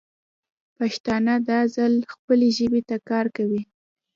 پښتانه دا ځل خپلې ژبې ته کار کوي.